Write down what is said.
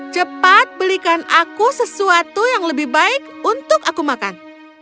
cepat belikan aku sesuatu yang lebih baik untuk aku makan